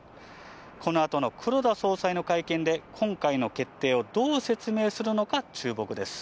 このあとの黒田総裁の会見で、今回の決定をどう説明するのか注目です。